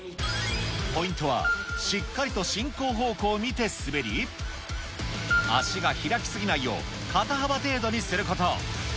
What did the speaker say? ポイントは、しっかりと進行方向を見て滑り、足が開きすぎないよう、肩幅程度にすること。